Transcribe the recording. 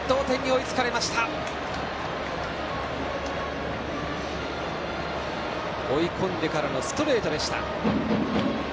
追い込んでからのストレートでした。